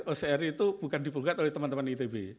ocr itu bukan dibugat oleh teman teman itb